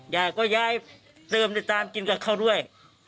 ยายก็ย้ายเติมติดตามกินกับเขาด้วย